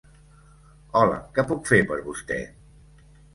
Hola, què puc fer per vostè?